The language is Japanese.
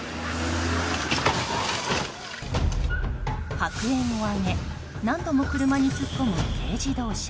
白煙を上げ何度も車に突っ込む軽自動車。